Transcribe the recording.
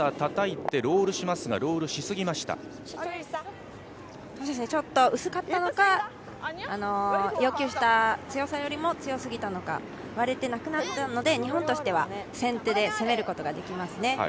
たたいてロールしますが、ちょっと薄かったのか、要求した強さよりも強すぎたのか割れてなくなったので、日本としては先手で攻めることができますね。